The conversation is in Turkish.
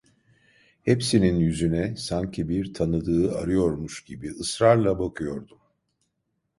Hepsinin yüzüne sanki bir tanıdığı arıyormuş gibi ısrarla bakıyordum.